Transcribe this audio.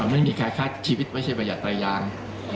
อ๋อมันมีคล้ายชีวิตว่าเฉพาะยาตรายาง